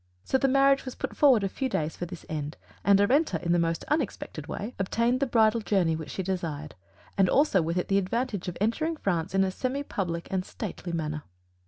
So the marriage was put forward a few days for this end, and Arenta in the most unexpected way obtained the bridal journey which she desired; and also with it the advantage of entering France in a semi public and stately manner.